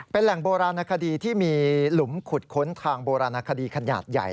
เป็นแหล่งโบราณคดีที่มีหลุมขุดค้นทางโบราณคดีขนาดใหญ่